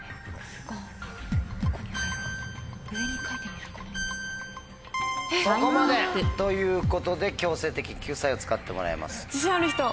そこまで！ということで強制的に救済を使ってもらいます。